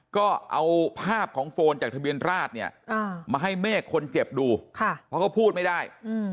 ก็เอาภาพของโฟนจากทะเบียนราชเนี่ยมาให้เมฆคนเจ็บดูเพราะเขาพูดไม่ได้